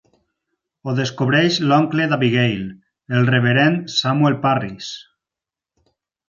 Ho descobreix l'oncle d'Abigail, el reverend Samuel Parris.